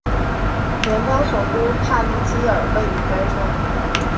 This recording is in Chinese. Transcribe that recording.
联邦首都帕利基尔位于该州。